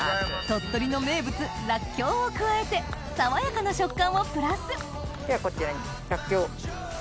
鳥取の名物らっきょうを加えて爽やかな食感をプラスではこちらにらっきょう。